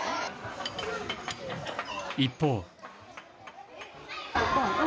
一方。